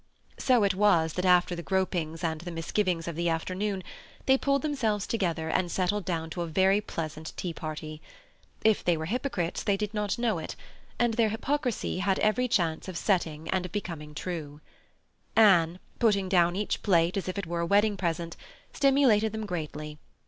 So it was that after the gropings and the misgivings of the afternoon they pulled themselves together and settled down to a very pleasant tea party. If they were hypocrites they did not know it, and their hypocrisy had every chance of setting and of becoming true. Anne, putting down each plate as if it were a wedding present, stimulated them greatly.